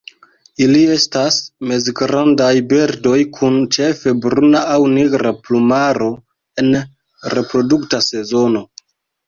Ili estas mezgrandaj birdoj kun ĉefe bruna aŭ nigra plumaro en reprodukta sezono.